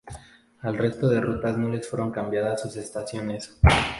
Al resto de rutas no les fueron cambiadas sus estaciones.